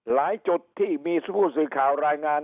หลายจุดที่มีผู้สื่อข่าวรายงาน